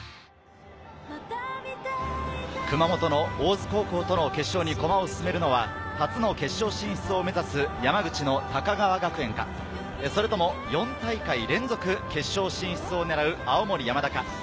熊本の大津高校との決勝に駒を進めるのは初の決勝進出を目指す山口の高川学園か、それとも４大会連続決勝進出を狙う青森山田か。